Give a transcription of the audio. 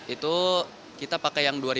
itu kita pakai yang